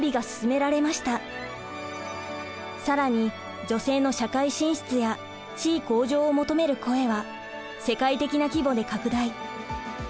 更に女性の社会進出や地位向上を求める声は世界的な規模で拡大。